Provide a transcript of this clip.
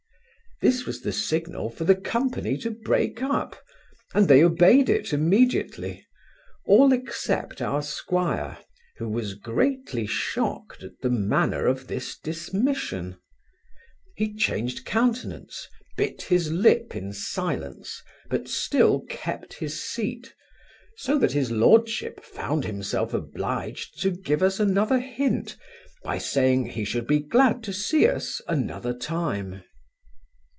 This was the signal for the company to break up, and they obeyed it immediately, all except our 'squire who was greatly shocked at the manner of this dismission He changed countenance, bit his lip in silence, but still kept his seat, so that his lordship found himself obliged to give us another hint, by saying, he should be glad to see us another time.